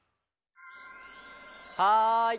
はい。